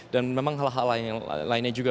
dan memang hal hal lainnya juga